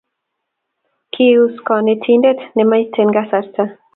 Kiisu konetinte ne miten kasarta.